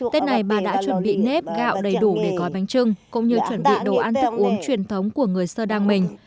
tết này bà đã chuẩn bị nếp gạo đầy đủ để gói bánh trưng cũng như chuẩn bị đồ ăn thức uống truyền thống của người sơ đăng mình